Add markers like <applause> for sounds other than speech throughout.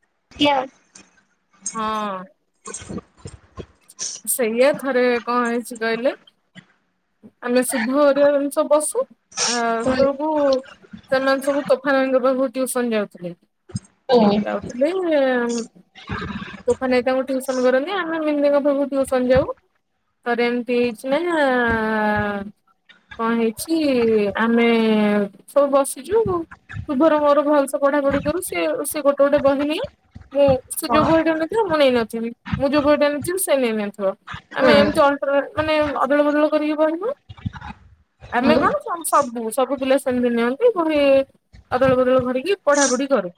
<unintelligible> ହଁ <inaudible> ସେଇଆ ଥରେ କଣ ହେଇଛି କହିଲେ? ଆମେ ଶୁଭ ଓରିଆ ଜିନିଷ ବସୁ। ଆ ସେତବେଳକୁ ସେମାନେ ସବୁ ତୋଫାନଙ୍କ ବାବୁଙ୍କ ପାଖକୁ ଟ୍ଯୁସନ ଯାଉଥିଲେ। ଯାଉଥିଲି ତୋଫା ନାଇ ତାଙ୍କୁ ଟ୍ଯୁସନ କରନ୍ତି ଆମେ ମନ୍ଦେଙ୍କ ପାଖୁ ଟ୍ଯୁସନ ଯାଉ ଥରେ ଏମିତି ହେଇଛି ନା କଣ ହେଇଛି ଆମେ ସବୁ ବସିଛୁ। ଶୁଭର ମୋର ଭଲସେ ପଢା ପଢ଼ି କରୁ ସେ ସେ ଗୋଟେ ଗୋଟେ ବହି ନିଏ ମୁଁ ସେ ଯୋଉ ବୋହି ଟା ନେଇଥିବ ମୁଁ ନେଇନଥିବି ମୁଁ ଯୋଉ ବୋହି ଟା ନେଇଥିଲି ସେ ନେଇନଥିବ ହୁଁ ଆମେ ଏମତି ଅ ମାନେ ଅଦଳ ବଦଳ କରିକି ବହିବୁ। ଆମେ ହୁଁ କଣ ସବୁ ସବୁ ପିଲା ସେମିତି ନିଅନ୍ତି କୁଠି ଅଦଳ ବଦଳ କରିକି ପଢାପଢ଼ି କରୁ।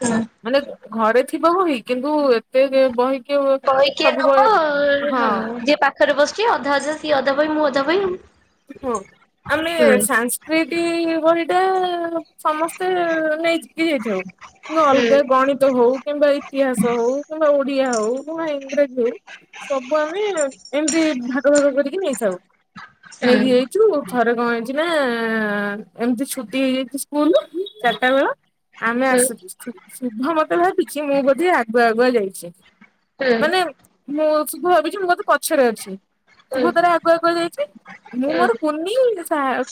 ହୁଁ ମାନେ ଘରେ ଥିବ ବହି କିନ୍ତୁ ଏତେ ବହି କି ବହି କିଏ ନବ ହଁ ଯିଏ ପାଖରେ ବସିଛି ଅଧା ଅଧା ସିଏ ଅଧା ବହି ମୁଁ ଅଧା ବହି ହଁ ଆମେ ଆଉ। ସାଂସ୍ ସଂସ୍କୃତି ବହି ଟା ସମସ୍ତେ ନେଇ ହେ ଯାଇଛି ଆଉ ଅଲଗା ଗଣିତ ହଉ କିମ୍ବା ଇତିହାସ ହଉ କିମ୍ବା ଓଡିଆ ହଉ କିମ୍ବା ଇଂରାଜୀ ହଉ ସବୁ ଆମେ ଏମିତି ଭାଗ ଭାଗ କରିକି ନେଇଥାଉ। ନେଇକି ଯାଇଛୁ ଥରେ କଣ ହେଇଛି ନା ଏମିତି ଛୁଟି ହେଇଯାଇଛି ସ୍କୁଲ ଚାରିଟା ବେଳ ଆମେ ଆସୁଛୁ ଶୁଭ ମତେ ଭାବୁଛି ମୁଁ ବୋଧେ ଆଗୁଆ ଆଗୁଆ ଯାଇଛି। ମାନେ ମୁଁ ଶୁଭ ଭାବିଛି ମୁଁ ବଧେ ପଛରେ ଅଛି ଶୁଭ ତାର ଆଗୁଆ ଆଗୁଆ ଯାଇଛି। ମୁଁ ମୋର କୁନି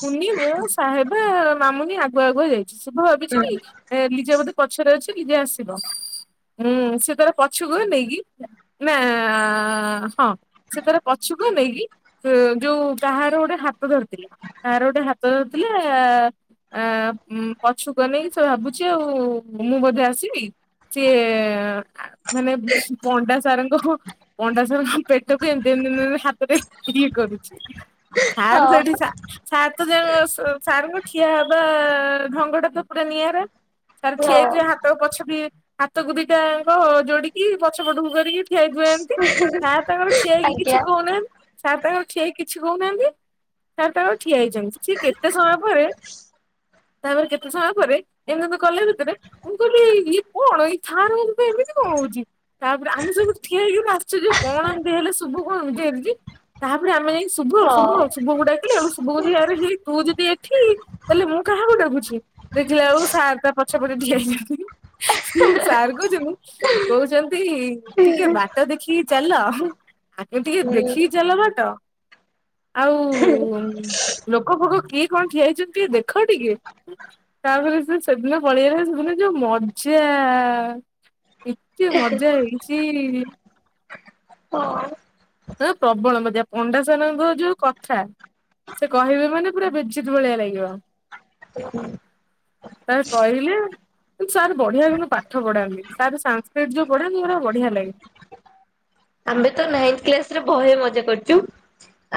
କୁନି ମୁଁ ସାହେବା ମାମୁନି ଆଗୁଆ ଆଗୁଆ ଯାଇଛି ଶୁଭ ଭାବିଛି କି ଏ ଲିଜା ବୋଧେ ପଛରେ ଅଛି ନିଜେ ଆସିବ ଉଁ- ସେ ତାର ପଛକୁ ନେଇକି ନା- ହଁ ସେ ତାର ପଛୁକୁ ନେଇକି ଯଉ କାହାର ଗୋଟେ ହାତ ଧରିଥିଲା କାହାର ଗୋଟେ ହାତ ଧରିଥିଲା ଆ- ପଛୁକୁ ନେଇକି ସେ ଭାବୁଚି ଆଉ ମୁଁ ବୋଧେ ଆସିବି ସିଏ ଆ- ମାନେ ପଣ୍ଡା ସାର୍ ଙ୍କ ପଣ୍ଡା ସାର୍ ଙ୍କ ପେଟକୁ ଏମିତିି ଏମିତି ଏମିତି ହାତରେ ଇଏ କରୁଚି <unintelligible> ସାର୍ ତ ଯେ- ସାରଙ୍କ ଠିଆ ହବା ଢଙ୍ଗ ଟା ତ ପୁରା ନିଆରା। ସାର୍ ଠିଆ‌ହେଇଥିବେ ହାତ ପଛ ବି ହାତକୁ ଦିଟାଙ୍କ ଯୋଡିକି ପଛ ପଟକୁ କରିକି ଠିଆ ହେଇଥାନ୍ତି। ସାର୍ ତାଙ୍କର ଠିଆ ହେଇକି ଆଜ୍ଞା କିଛି କହୁନାହା ସାର୍ ତାଙ୍କର ଠିଆ କିଛି ହଉନାହାନ୍ତି ସାର୍ ତାଙ୍କର ଠିଆ ହେଇଚନ୍ତି ସେ କେତେ ସମୟ ପରେ ତାପରେ କେତେ ସମୟ ପରେ ଏମିତି- ଏମିତି କଲା ଭିତରେ ମୁଁ କହିଲି ଇଏ କଣ <unintelligible> ଏମିତି କଣ ହଉଚି। ତାପରେ ଆମେ ସବୁ ଠିଆ ହେଇକି ପୁରା ଆଶ୍ଚର୍ଯ୍ୟ କଣ ଏମିତି ହେଲେ ସବୁ କଣ ବୁଝେଇ ତାପରେ ଆମେ ଶୁଭ- ହଁ ଶୁଭ -ଶୁଭ କୁ ଡା <unintelligible> ଆରେ ହେଇ ତୁ ଯଦି ଏଠି ତାହେଲେ ମୁଁ କାହାକୁ ଡାକୁଚି। ଦେଖିଲା ବେଳକୁ ସାର୍ ତା ପଛ ପଟେ ଠିଆ ହେଇଚନ୍ତି ସାର୍ କହୁଚନ୍ତି କହୁଚନ୍ତି ଟିକେ ବାଟ ଦେଖିକି ଚାଲ। ଆଗେ ଟିକେ ହୁଁ ଦେଖିକି ଚାଲ ବାଟ। ଆଉ ଲୋକ ଫୋକ କିଏ କଣ ଠିଆ ହେଇଚନ୍ତି ଟିକେ ଦେଖ ଟିକେ। ତାପରେ ସେ ସେଦିନ ପଳେଇଆଇଲେ ସେଦିନ ଯଉ ମଜା। କେତେ ମଜା ହେଇଚି। <unintelligible> ହଁ ପ୍ରବଳ ମଜା ପଣ୍ଡା ସାର୍ ଙ୍କ ଯଉ କଥା ସେ କହିବେ ମାନେ ପୁରା ବେଜିତ୍ ଭଳିଆ ଲାଗିବ। ସାର୍ କହିଲେ ସାର୍ ବଢିଆ କିନ୍ତୁ ପାଠ ପଢ଼ାନ୍ତି ସାର୍ ସାଂସ୍କ୍ରିଟ୍ ଯଉ ପଢାନ୍ତି ପୁରା ବଢିଆ ଲାଗେ। ଆମେ ତ ନାଇନ୍ଥ୍ କ୍ଲାସ୍ ରେ ବହେ ମଜା କରିଚୁ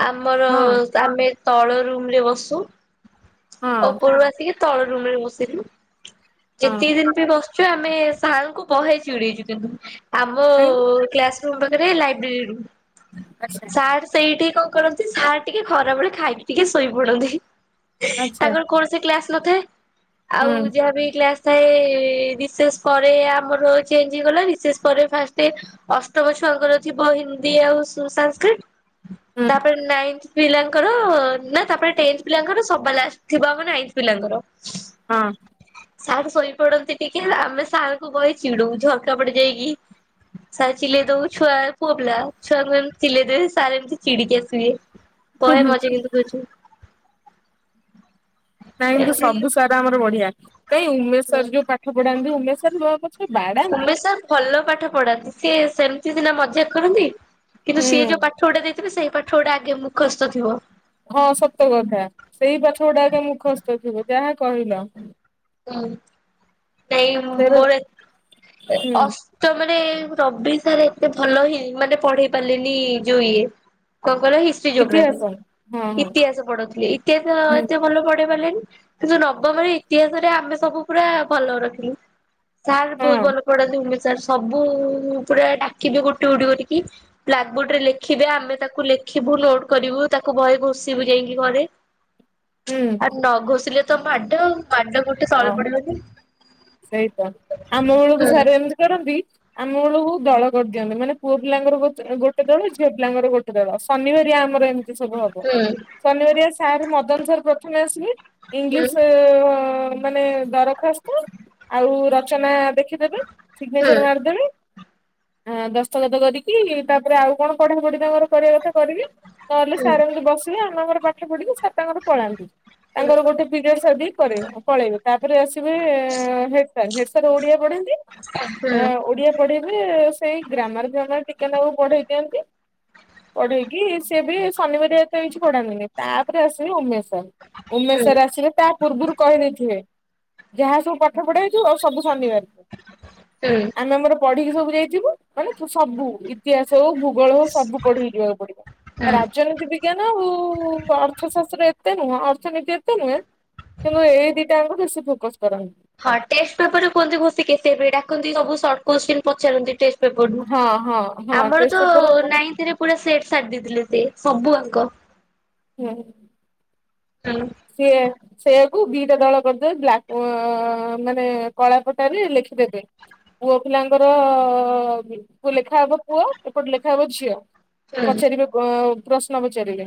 ଆମର ହଁ ଆମେ ତଳ ରୁମ୍ ରେ ବସୁ ହଁ। ଉପରୁ ଆସିକି ତଳ ଦୋଳି ରେ ବସିଲୁ ହଁ ଯେତିକି ଦିନି ପାଇଁ ବସ୍ ଆମେ ସାର୍ ଙ୍କୁ ବହେ ଚିଡେଇଚୁ କିନ୍ତୁ ଆମ କାହିଁକି କ୍ଲାସ୍ ରୁ ରେ ଲାଇବ୍ରେରୀରୁୁ ଆଚ୍ଛା ସାର୍ ସେଇଠି କ କରନ୍ତି ସାର୍ ଟିକେ ଖରାବେଳେ ଖାଇକି ଟିକେ ଶୋଇ ପଡନ୍ତି ଆଚ୍ଛା ତାଙ୍କର କୌଣସି କ୍ଲାସ୍ ନଥାଏ ଆଉ ହୁଁ ଯାହା ବି କ୍ଲାସ୍ ଥାଏ ରିସେସ୍ ପରେ ଆମର ଚେଞ୍ଜ୍ ହେଇଗଲା ରିସେସ୍ ପରେ ଫାଷ୍ଟେ ଅଷ୍ଟମ‌ ଛୁ ଛୁଆଙ୍କର ଥିବ ହିନ୍ଦୀ ଆଉ ସୁ- ସାଂସ୍କ୍ରିଟ୍ ହୁଁ ତାପରେ ନାଇନ୍ଥ୍ ପିଲାଙ୍କର ନା ତାପରେ ଟେନ୍ଥ୍ ପିଲାଙ୍କର ସବା ଲାଷ୍ଟ୍ ଥିବ ଆମ ନାଇନ୍ଥ୍ ପିଲାଙ୍କର। ହଁ। ସାର୍ ଶୋଇପଡନ୍ତି ଟିକେ ଲା- ଆମେ ସାର୍ ଙ୍କୁ କହି ଚିଡୁ ଝରକା ପଡେ ଯାଇକି ସାର୍ ଚିଲେଇ ଦଉ ଛୁଆ ପୁଅପିଲା ଛୁଆଙ୍କୁ ଏମିତି ଚିଲେଇ ଦେବେ ସାର୍ ଏମିତି ଚିଡ଼ିକି ଆସିବେ ହୁଁ ହୁଁ। ବହେ ମଜା କିନ୍ତୁ <inaudible> ନାଇଁ କିନ୍ତୁ ଏମିତି ସବୁ ସାର୍ ଆମର ବଢିଆ କାଇଁ ଉମେଶ୍ ସାର୍ ଯଉ ପାଠ ପଢାନ୍ତି ଉମେଶ୍ ସାର୍ <unintelligible> ଉମେଶ୍ ସାର୍ ଭଲ ପାଠ ପଢାନ୍ତି ସିଏ ସେମିତି ସିନା ମଜା କରନ୍ତି କିନ୍ତୁ ହୁଁ ସିଏ ଯଉ ପାଠ୍ ଠ ଗୁଟେ ଦେଇଥିଲେ ସେଇ ପାଠ ଗୁଡା ଆଗେ ମୁଖସ୍ଥ ଥିବ। ହଁ ସତକଥା ସେଇ ପାଠ ଗୁଡାକ ମୁଖସ୍ତ ଥିବ ଯାହା କହିଲ। ହୁଁ ସେଇ ସେରା ମୋର ହୁଁ ଅ ତ ମାନେ ରବି ସାର୍ ଏତେ ଭଲ ହିଁ ମାନେ ପଢେଇ ପାରିଲେନି ଯୋଉ ଇଏ। କଣ କହିଲ ହିଷ୍ଟ୍ରି ଜୋଗ୍ରାଫି ଇତିହାସ ହଁ ହଁ ଇତିହାସ ପଢଉଥିଲେ ଇତିହାସ ହୁଁ ଏତେ ଭଲ ପଢେଇ ପାରିଲେନି। କିନ୍ତୁ ନବମରେ ଇତିହାସରେ ଆମେ ସବୁ ପୁରା ଭଲ ରଖିଲୁ। ସାର୍ ବହୁତ୍ ହଁ ଭଲ ପଢ଼ାନ୍ତି ଇଂଲିଶ୍ ସାର୍ ସବୁ ପଳାଏ ଆଖି ଯୋଉ ଗୋଟି ଗୋଟି କରିକି। ବ୍ଲାକ୍ ବୋର୍ଡ ରେ ଲେଖିବେ ଆମେ ତାକୁ ଲେଖିବୁ ନୋଟ କରିବୁ ତାକୁ ବହେ ଘୋଷିବୁ ଯାଇକି ଘରେ। ଆ ହୁଁ ନ ଘୋଷିଲେ ତ ମାଡ ମାଡ ଗୋ ହଁ ସେଇତ ଆମ ମାନଙ୍କୁ ହୁଁ ସାର ଏମିତି କରନ୍ତି। ଆମ ବେଳକୁ ଦଳ କରିଦିଅନ୍ତି ମାନେ ପୁଅ ପିଲାଙ୍କର ଗୋଟେ ଦଳ ଝିଅ ପିଲାଙ୍କର ଗୋଟେ ଦଳ ଶନିବାରିଆ ଆମର ଏମି ତି ସବୁ ହବ ହୁଁ ଶନିବାରଆ ସାର୍ ମଦନ ସାର୍ ପ୍ରଥମେ ଆସିକି ହୁଁ ଇଂଲିଶ ମାନେ ଦରଖାସ୍ତ ଆଉ ରଚନା ଦେଖି ଦେବେ ସିଗ୍ ହୁଁ ନେଚର ମାରିଦେବେ। ଆ ଦସ୍ତଖତ କରିକି ତାପରେ ଆଉ କଣ ପଢାପଢି ତାଙ୍କର କରିବା କଥା କରିକି ନହେଲେ ହୁଁ ସାର୍ ଏମିତି ବସିକି ଆମ ଆମର ପାଠ ପଢିକି ସାର୍ ତାଙ୍କର ପଳାନ୍ତି। ତାଙ୍କର ଗୋଟେ ପିଢିୟରସ୍‌ଅଦିକ୍ କରେଇବେ ପଳେଇବେ। ତାପରେ ଆସିବେ head sir head sir Odia ପଢାନ୍ତି ହୁଁ ହୁଁ ଓଡିଆ ପଢେଇ ଏ ସେଇ ଗ୍ରାମାର ଫ୍ରାମାର ଟିକେ ନାକୁ ପଢେଇ ଦିଅନ୍ତି। ପଢେଇକି ସିଏ ବି ଶନିବାର ଏ ତ କିଛି ପଢାନ୍ତିନି ତାପରେ ଆସିବି ଉମେଶ ସାର୍। ଉମେଶ ହୁଁ ସାର୍ ଆସିବେ ତା ପୂର୍ବରୁ କହି ନେଇ ଥିବେ ଯାହା ସବୁ ପାଠ ପଢା ହେଇ ଥିବ ଆଉ ସବୁ ଶନିିବାରେ ହୁଁ। ଆମେ ଆମର ପଢିକି ସବୁ ଯାଇଥିବୁ ମାନେ ତୁ ସବୁ ଇତିହାସ ହଉ ଭୂଗୋଳ ହଉ ସବୁ ପଢିକି ଯିବାକୁ ପଡିବ ରାଜନୀତି ବି ବିଜ୍ଞାନ ଆଉ ଅର୍ଥଶାସ୍ତ୍ର ଏତେ ନୁହଁ ଅର୍ଥନୀତି ଏତେ ନୁହେଁ କିନ୍ତୁ ଏଇ ଦି ଟାଙ୍କୁ ବେଶୀ ଫୋକସ କରନ୍ତି। ହଁ ଟେଷ୍ଟ ପେପରେ କୁହନ୍ତି ଘୋସିକି ଆସିବା ପାଇଁ ଡାକନ୍ତି ସବୁ ସଟ୍ କୋଶ୍ଚିନ୍ ପଚାରନ୍ତି ଟେ ସେ ପଡକୁ ହଁ ହଁ ହଁ ଆମର ଟେଷ୍ଟ ତ ପେପରକୁ ନାଇଣ୍ଟିରେ ପୁରା ସେଟ୍ ସାଟ୍ ଦେଇଥିଲେ ସେ ସବୁଆଙ୍କ। ହୁଁ। ହାଲୋ। ସିଏ। ସେଆକୁ ଦିଟା ଦଳ କରିଦେବେ ବ୍ଲାକ୍ ମାନେ କଳାପଟାରେ ଲେଖିଦେବେ। ପୁଅ ପିଲାଙ୍କର ପୁଅ ଲେଖାହବ ପୁଅ ଏପଟେ ଲେଖାହବ ଝିଅ। ହୁଁ ପଚାରିବେ ପ ପ୍ରଶ୍ନ ପଚାରିବେ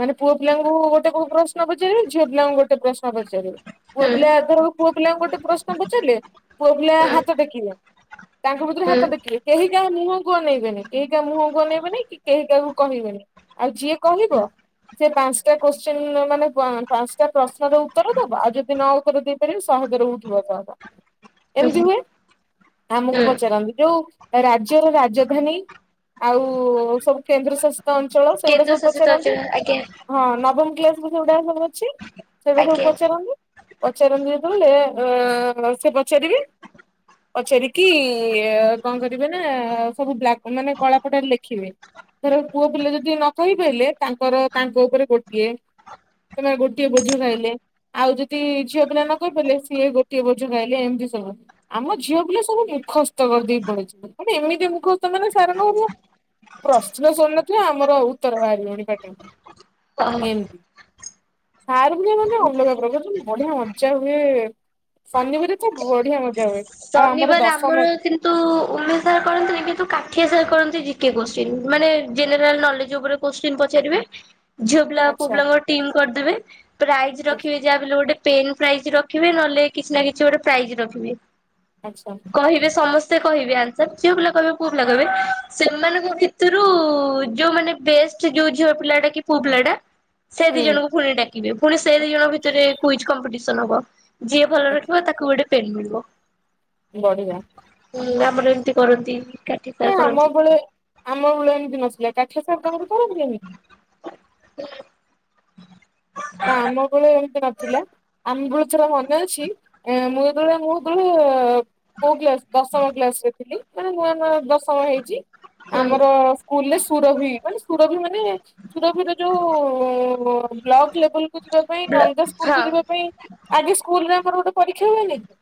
ମାନେ ପୁଅ ପିଲାଙ୍କୁ ଗୋଟେ କୋଉ ପ୍ରଶ ପ୍ରଶ୍ନ ପଚାରିବେ ଝିଅ ପିଲାଙ୍କୁ ଗୋଟେ ପ୍ରଶ୍ନ ପଚାରିବେ ପୁଅ ହୁଁ ପିଲା ଏଥର ପୁଅ ପିଲାଙ୍କୁ ଗୋଟେ ପ୍ରଶ୍ନ ପଚାରିଲେ ପୁଅ ପିଲା ହୁଁ ହାତ ଟେକିବେ ତାଙ୍କ ଭିତରୁ ହୁଁ। ହାତ ଟେକିଲେ କେହି କାହା ମୁହଁ କୁ ଅନେଇ ବେନି କେହି କାହା ମୁହଁ କୁ ଅନେଇବେନି କି କେହି କାହାକୁ କହିବେନି। ଆଉ ଯିଏ କହିବ ସେ ପାଞ୍ଚଟା କୋଶ୍ଚିନି ମାନେ ପା ପାଞ୍ଚଟା ପ୍ରଶ୍ନର ଉତ୍ତର ଦବ ଆଉ ଯଦି ନ ଉତର ଦେଇପାରିବି ଶହେ ଥର ଉଠ ବସ୍‌ ହେବ। ଏମତି ହୁଁ ହୁଏ ଆମକୁ ପଚାରନ୍ତି ଯୋଉ- ରାଜ୍ୟର ରାଜଧାନୀ ଆଉ ସବୁ କେନ୍ଦ୍ର ଶାସି ତ ଅଞ୍ଚଳ ସେଗୁଡାକ କେନ୍ଦ୍ର ସବୁ ଶାସିତ ପଚାରନ୍ତି ଅଞ୍ଚଳ ଆଜ୍ଞା ହଁ ନବମ କ୍ଲାସ ବିଷୟଉଡ଼ା ସବୁ ଅଛି। ସେରା ସବୁ ଆଜ୍ଞା। ପଚାରନ୍ତି ପଚାରନ୍ତି ଯେତେବେଳେ ସେ ପଚାରିବେ ପଚାରିକି କଣ କରିବେ ନା ସବୁ ବ୍ଲାକ୍ ମାନେ କଳାପଟାରେ ଲେଖିବେ। ଧର ପୁଅ ପିଲା ଯଦି ନ କହିପାରିଲେ ତାଙ୍କର ତାଙ୍କ ଉପରେ ଗୋଟିଏ। ହେରା ଗୋଟିଏ ବୋଝ ଖାଇଲେ। ଆଉ ଯଦି ଝିଅ ପିଲା ନ କହି ପାରିଲେ ସିଏ ଗୋଟିଏ ବୋଝ ଖାଇଲେ ଏମିତି ସବୁ। ଆମ ଝିଅ ପିଲା ସବୁ ମୁଖସ୍ତ କରିଦେଇ ପଳେଇଚନ୍ତି। ମାନେ ଏମିତି ମୁଖସ୍ତ ମାନେ ସାରଙ୍କ ମୁଁ। ପ୍ରଶ୍ନ ସରିନଥିବ ଆମର ଉତ୍ତର ବାହାରିବଣି ଅ ପାଟିରୁ ଏମିତି। ସାର ପୁରା ମାନେ ଅଲଗା ପ୍ରକାର ଯୋଉ ବଢିଆ ମଜା ହୁଏ। ଶନିବାରେ ତ ବଢିଆ ମଜା ହୁଏ। ଆଉ ଆମର ଶନିବାର ଦଶମ। କିନ୍ତୁ <unintelligible> ଝିଅ ପିଲା ଆଉ ପୁଅ ପିଲା ଆଚ୍ଛା ଙ୍କ ଟିମ କରିଦେବେ, ପ୍ରାଇଜ ଆଚ୍ଛା। ରଖିବେ ଯାହା ହେଲେ ବି ଗୋଟେ। ପେନ୍ ପ୍ରାଇଜ ରଖିବେ, ନହେଲେ କିଛି ନା କିଛି ଗୋଟେ ପ୍ରାଇଜ ରଖିବେ। ଆଚ୍ଛା। କହିବେ ସମସ୍ତେ କହିବେ ଆନ୍ସର, ଝିଅ ପିଲା କହିବେ ପୁଅ ପିଲା କହିବେ ସେମାନଙ୍କ ଭି। ସେଥିରୁ ଯୋଉ ମାନେ ବେଷ୍ଟ ଯୋଉ ଝିଅ ପିଲା ଟା କି ପୁଅ ପିଲାଟା। ସେ ଦି ହୁଁ ଜଣଙ୍କୁ ପୁଣି ଡାକିବେ, ପୁଣି ସେ ଦି ଜଣ ଭିତରେ କୁଇଜ୍ କମ୍ପିଟିସନ ହବ। ଯିଏ ଭଲ ଆଚ୍ଛା ରଖିବ, ତାକୁ ଗୋଟେ ପେନ୍ ମିଳିବ। ବଢିଆ। ହୁଁ, ଆମର ଏମିତି କରନ୍ତି। କାଠି ହଁ, ସାର୍ ଆମ କରନ୍ତି ବେଳେ ଆମ ବେଳେ ଏମିତି ନଥିଲା କାଠିଆ ସାର୍ ତାଙ୍କୁ ଧରନ୍ତିନି କି? <inaudible> ନା ଆମ ବେଳେ ଏମିତି ନଥିଲା। ଆମ ବଳୁ ଥରେ ମନେ ଅଛି। ମୁଁ ଯେତବଳେ ମୁଁ ଯେତବଳେ। କୋଉ କ୍ଲାସ? ଦଶମ କ୍ଲାସ ରେ ଥିଲି, ମାନେ ନୂଆ ନୂଆ ଦଶମ ହେଇଚି ହୁଁ। ଆମର। ସ୍କୁଲରେ ସୁରଭି ମାନେ ସୁରଭି ମାନେ ସୁରଭି ର ଯୋଉ ବ୍ଲକ ଲେବୁଲ। ଯିବା ପାଇଁ ଅଲଗା ସ୍କୁଲ ହଁ କୁ ଯିବା ପାଇଁ ଆଗେ ସ୍କୁଲରେ ଆମର ଗୋଟେ ପରୀକ୍ଷା ହୁଏନି କି?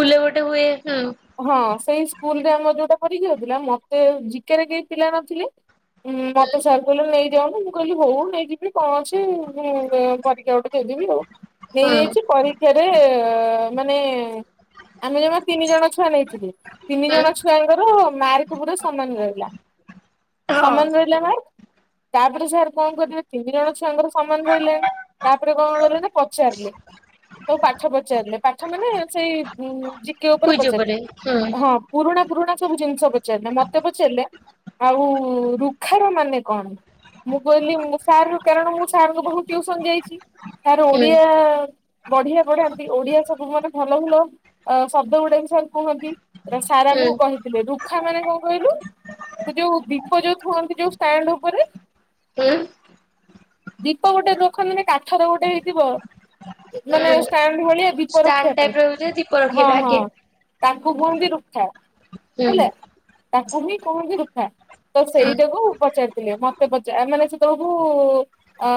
ସ୍କୁଲ ରେ ଗୋଟେ ହୁଏ। ହୁଁ। ହଁ, ସେଇ ସ୍କୁଲ ରେ ଆମର ଯୋଉଟା ପରୀକ୍ଷା ହଉଥିଲା, ମତେ ଜିକେରେ କେହି ପିଲା ନଥିଲେ। ହୁଁ, ମତେ ସାର୍ କହିଲେ ନେଇଯାଉନୁ ମୁଁ କହିଲି ହଉ ନେଇଯିବି କଣ ଅଛି। ମୁଁ ପରୀକ୍ଷା ଗୋଟେ ଦେଇଦେବି ଆଉ। ହୁଁ ନେଇଯାଇଚି ପରୀକ୍ଷା। ଫେରେ ମାନେ ଆମେ ଜମା ତିନି ଜଣ ଅଛୁ। ଛୁଆ ନେଇଥିଲି। ତିନି ହୁଁ ଜଣ ଛୁଆଙ୍କର ମାର୍କ ପୁରା ସମାନ ରହିଲା। ସମାନ ହଁ ରହିଲା ମାନେ ତାପରେ ସାର କଣ କରିବେ ତିନି ଜଣ ଛୁଆଙ୍କର। ସମାନ ରହିଲାନି ତାପରେ କଣ କଲେ ନା ପଚାରିଲେ ସବୁ ପାଠ ପଚାରିଲେ। ପାଠ ମାନେ ସେଇ ଜିକେ ଉପରେ କୁଇଜ ପଚାରିଲେ। ହୁଁ ହଁ ପୁରୁଣା ପୁରୁଣା ସବୁ ଜିନିଷ ପଚାରିଲେ। ପଚାରିଲେ ମତେ ପଚାରିଲେ। ଆଉ ରୁଖାର ମାନେ କଣ? ମୁଁ କହିଲି ସାର ର କାରଣ ମୁଁ। ବୋହୂ ଟିଉସନ ଯାଇଚି ତାର ହୁଁ ଓଡିଆ। ବଢିଆ ପଢାନ୍ତି। ଓଡିଆ ସବୁ ଭଲ ଭଲ ଅ ଶବ୍ଦ ଗୁଡା ବି ସାର୍ କୁହନ୍ତି। ସାର୍ ହୁଁ ଆମୁକୁ କହିି। ରୁଖା ମାନେ କଣ କହିଲୁ? ସେ ଯୋଉ ଦୀପ ଯୋଉ ଥୁଅନ୍ତି ଯୋଉ ଷ୍ଟାଣ୍ଡ ଉପରେ। <unintelligible> ଦୀପ ଗୋଟେ ରଖନ୍ତିନି କାଠର ଗୋଟେ ହେଇଥିବ। ମାନେ ହୁଁ ଷ୍ଟାଣ୍ଡ ଭଳିଆ ଦିପ ଷ୍ଟାଣ୍ଡ ରଖିବା ପାଇଁ। ଟାଇପ ର ଦୀପ ହଁ, ରଖେଇବେ ଆଗେ ହଁ। ତାଙ୍କୁ କୁହନ୍ତି ରୁଖା। ହୁଁ। ହେଲା ତାକୁ ହିଁ କୁହନ୍ତି ରୁଖା, ତ ସୁଲୁବାଡି ସେଇଟାକୁ ପଚାରି। ମତେ ପଚ ଆ ମାନେ ସେ ଦବୁ ଅ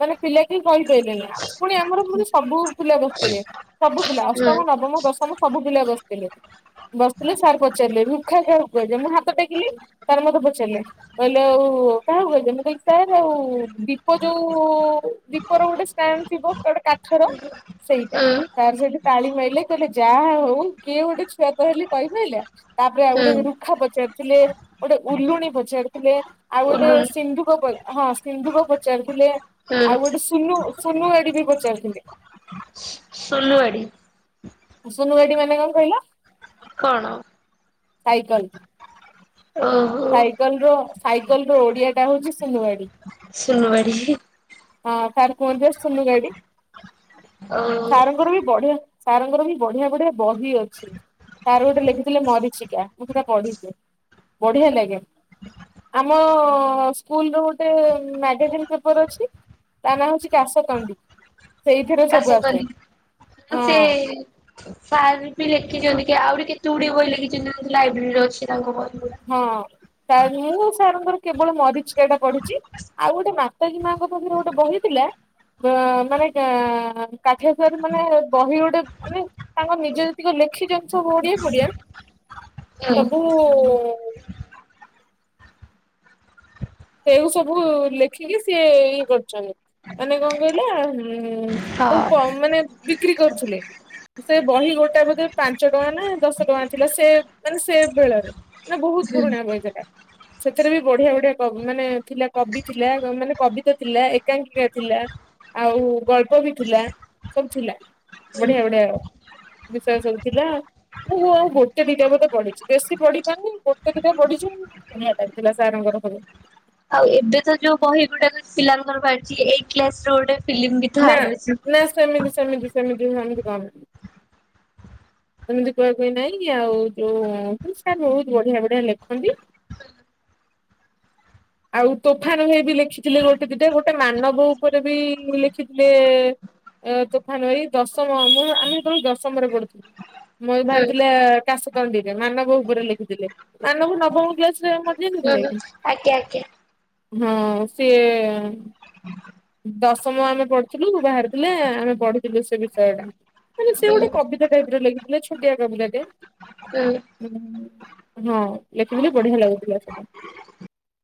ମାନେ ପିଲା କି କହିପାରିଲେନି। ପୁଣି ଆମର ମୁଁ ସବୁ ପିଲା ବସିଥିଲେ ସବୁ ପିଲା ଅଷ୍ଟମ ନବମ ଦଶମ ସବୁ ପିଲା ବସିଥିଲେ। ବସିଥିଲି ସାର୍ ପଚାରିଲେ <unintelligible> ଭୁଖା କାହାକୁ କୁହାଯାଏ? ମୁଁ ହାତ ଟେକିଲି। ତାର ମତେ ପଚାରିଲେ କହିଲେ ଆଉ କାହାକୁ କହିଲ ମୁଁ କହିି ସା ଆଉ ଦୀପ ଯୋଉ ଦୀପର ଗୋଟୋ ଷ୍ଟାଣ୍ଡ ଥିବ ଟେ କାଠର ସେଇଟା ସାର୍ ସେଠ ତାଳି ମାଇଲେ କହିଲେ ଯାହା ହଉ କିଏ ଗୋଟେ ଛୁଆ ତହଲେ କହି ପାଇଲା ତାପରେ ଆଉ ଗୋଟେ ଦୁ ପାଖ ପଚାରିଥିଲେ ଗୋଟେ ଉଲୁଣି ପଚାରିଥିଲେ ଆଉ ଗୋଟେ ସିନ୍ଧୁକ ହଁ ସିନ୍ଧୁକ ପଚାରିଥିଲେ ଆଉ ଗୋଟେ ସୁନୁ ସୁନୁ ଆଡି ବି ପଚାରିଥିଲେ। ହ <inaudible> ସୁଲୁୱାଡି। ସୁନୁ ଗାଡି ମାନେ କଣ କହିଲ କଣ? ସାଇକେଲ। ଓହୋ। ସାଇକେଲ ର ସାଇକେଲ ର ଓଡିଆ ଟା ହଉଛି ସୁନୁଗାଡି! ସୁନୁବାଡି। ହଁ ସାର୍ କୁହନ୍ତି ଆ ସୁନୁ ଗାଡି ଓ ସାରଙ୍କର ବି ବଢିଆ ତାଙ୍କର ବି ବଢିଆ ବଢିଆ ବହି ଅଛି ତାର ଗୋଟେ ଲେଖିଥିଲେ ମରିଚିକା ମୁଁ ସେଟା ପଢିଚି। ବଢିଆ ଲାଗେ। ଆମ ସ୍କୁଲ ର ଗୋଟେ ମ୍ୟାଗାଜିନ୍ ପେପର ଅଛି। ତା ନାଁ ହଉଛି କାଶ କଣ୍ଡି ସେଇଥିରେ ସବୁ କାଶତନୀ ଆସେ ହଁ। ସେ ସାର୍ ବି ଲେଖିଛନ୍ତି କି ଆଉରି କେତେ ଗୁଡିଏ ବହି ଲେଖିଛନ୍ତି ଲାଇବ୍ରେରୀରେ ଅଛି ତାଙ୍କ ବ। ହଁ ଟାଇମ ହେଇନି ସାରଙ୍କର କେବଳ ମରିଚଟା ପଢିଛି ଆଉ ଗୋଟେ ମାତାଜୀ ମାଙ୍କ ପାଖରେ ଗୋଟେ ବହି ଥିଲା ଅ ମାନେ କାଠେଶର ମାନେ ବହି ଗୋଟେ ମାନେ ତାଙ୍କ ନିଜ ଯେତିକ ଲେଖିଛନ୍ତି ସବୁ ଓଡିଆ ଫୋଡିଆ ହୁଁ, ସବୁ ସେଉ ସବୁ ଲେଖିକି ସିଏ ଇଏ କରଛନ୍ତି ମାନେ କଣ କହିଲା ଉ <unintelligible> ସବୁ ହଁ। ମାନେ ବିକ୍ରି କରୁଥିଲେ। ସେ ବହି ଗୋଟା ବୋଧେ ପାଞ୍ଚ ଟଙ୍କା ନା ଦଶ ଟଙ୍କା ଥିଲା ସେ ମାନେ ସେ ବେଳରେ। ମାନେ ବହୁତ ହୁଁ, ପୁରୁଣା ବହି ସେଟା ସେଥିରେ ବି ବଢିଆ ବଢିଆ ମାନେ ଥିଲା କବି ଥିଲା ମାନେ କବିତା ଥିଲା ଏକାଙ୍କିକା ଥିଲା। ଆଉ ଗଳ୍ପ ବି ଥିଲା ସବୁ ଥିଲା ହୁଁ। ବଢିଆ ବଢିଆ ବିଷୟ ସବୁଥିଲା। ମୁଁ ଆଉ ଗୋଟେ ଦିଟା ବଧେ ପଢିଛି ବେଶୀ ପଢି ପାରୁନି ଗୋଟେ ଦିଟା ପଢିଛି। ବଢିଆ ଲାଗିଥିଲା ସାରଙ୍କର ସବୁ। ଆଉ ଏବେ ତ ଯୋଉ ବହି ଗୁଡାକ ପିଲାଙ୍କର ବାହାରଛି ଏଇ କ୍ଲାସ ଗୋଟେ ଫିଲ୍ମ ବି ତ ନା ଆଡ ଅଛି। ନା ସେମିତି ସେମିତି ସେମିତି ସେମିତି କରନା। ଏମିତି କୁହାକୁହି ନାଇଁ ଆଉ ଯୋଉ ସାର୍ ବହୁତ ବଢିଆ ବଢିଆ ଲେଖନ୍ତି। ଆଉ ତୋଫାନୁହେ ବି ଲେଖିଥିଲେ ଗୋଟେ ଦିଟା ଗୋଟେ ମାନବ ଉପରେ ବି ଲେଖିଥିଲେ। ତୋଫାନ ଏଇ ଦଶମ ମୁଁ ଆମେ ସେତେବଳୁ ଦଶମରେ ପଢୁଥିଲୁ। ମୁଁ ହୁଁ, ବାହାରିଥିଲା କାଶଦଣ୍ଡିରେ ମାନବ ଉପରେ ଲେଖିଥିଲେ ମାନବ ନବମ ଵିଆସରେ ହୁଁ ଆଜ୍ଞା ଆଜ୍ଞା। ହୁଁ ସିଏ ଦଶମ ଆମେ ପଢିଥିଲୁ ବାହାରିଥିଲେ ଆମେ ପଢିଥିଲୁ ସେ ବିଷୟ ଟା ମାନେ ସେ ହୁଁ, ଗୋଟେ କବିତା ଟାଇପରେ ଲେଗିଥିଲେ ଛୋଟିଆ କବିକାଟେ ହୁଁ ହଁ ଲେଖିଦେଲେ ବଢ଼ିଆ ଲାଗୁଥିଲା ସେଟା।